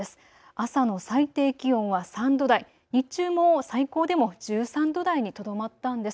朝の最低気温は３度台、日中も最高でも１３度台にとどまったんです。